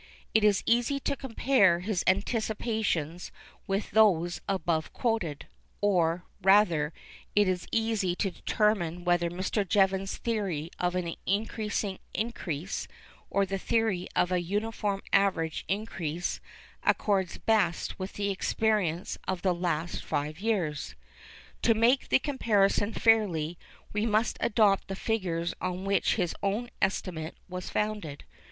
It is easy to compare his anticipations with those above quoted; or rather, it is easy to determine whether Mr. Jevons's theory of an increasing increase, or the theory of a uniform average increase, accords best with the experience of the last five years. To make the comparison fairly we must adopt the figures on which his own estimate was founded.